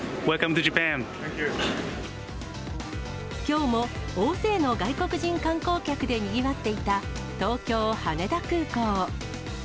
きょうも大勢の外国人観光客でにぎわっていた東京・羽田空港。